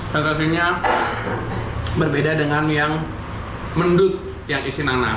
lokasinya berbeda dengan yang mendut yang isi nanas